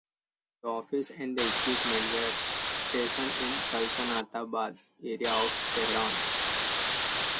The office and the equipment were stationed in Saltanat-abad area of Tehran.